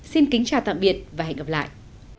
xin kính chào tạm biệt và hẹn gặp lại